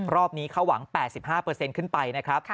รอบนี้เขาหวัง๘๕ขึ้นไปนะครับ